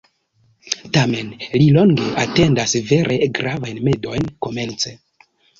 Tamen li longe atendas vere gravajn mendojn komence.